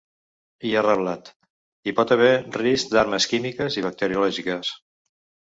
I ha reblat: ‘Hi pot haver risc d’armes químiques i bacteriològiques’.